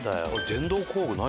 電動工具何？